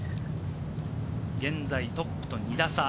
現在トップと２打差。